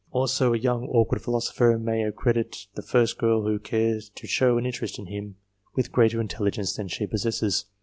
Also. a young awkward philosopher may accredit the first girl who cares to show an interest in him, with greater intelli gence than she possesses.